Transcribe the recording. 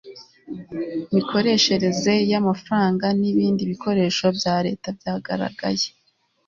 mikoreshereze y amafaranga n ibindi bikoresho bya leta byagaragaye